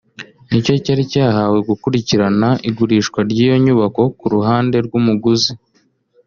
nicyo cyari cyahawe gukurikirana igurishwa ry’iyo nyubako ku ruhande rw’umuguzi